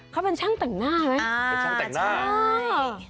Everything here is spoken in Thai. เขาเป็นช่างแต่งหน้าไหมอ่าใช่